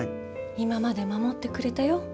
今まで守ってくれたよ。